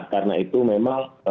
karena itu memang